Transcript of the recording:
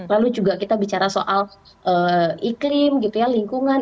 lalu juga kita bicara soal iklim gitu ya lingkungan